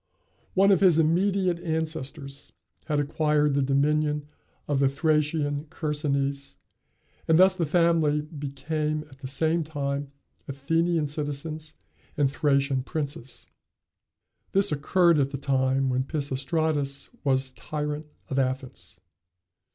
One of his immediate ancestors had acquired the dominion of the Thracian Chersonese, and thus the family became at the same time Athenian citizens and Thracian princes. This occurred at the time when Pisistratus was tyrant of Athens.